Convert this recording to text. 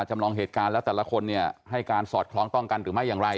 จำลองเหตุการณ์แล้วแต่ละคนเนี่ยให้การสอดคล้องต้องกันหรือไม่อย่างไร